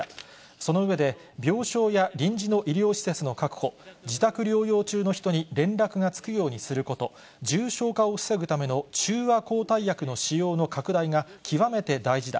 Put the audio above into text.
その上で、病床や臨時の医療施設の確保、自宅療養中の人に連絡がつくようにすること、重症化を防ぐための中和抗体薬の使用の拡大が極めて大事だ。